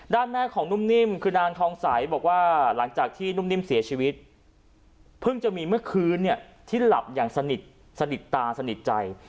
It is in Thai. แม่ของนุ่มนิ่มคือนางทองใสบอกว่าหลังจากที่นุ่มนิ่มเสียชีวิตเพิ่งจะมีเมื่อคืนเนี่ยที่หลับอย่างสนิทตาสนิทใจ